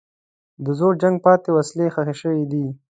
د زوړ جنګ پاتې وسلې ښخ شوي دي.